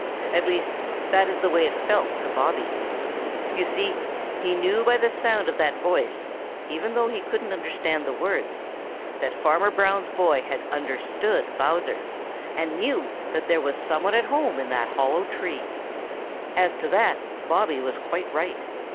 At least, that is the way it felt to Bobby. You see, he knew by the sound of that voice, even though he couldn't understand the words, that Farmer Brown's boy had understood Bowser, and now knew that there was some one at home in that hollow tree. As to that Bobby was quite right.